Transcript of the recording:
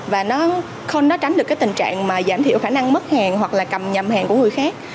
và nó tránh được cái tình trạng mà giảm thiểu khả năng mất hàng hoặc là cầm nhầm hàng của người khác